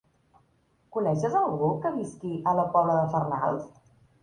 Coneixes algú que visqui a la Pobla de Farnals?